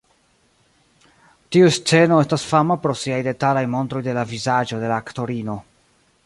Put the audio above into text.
Tiu sceno estas fama pro siaj detalaj montroj de la vizaĝo de la aktorino.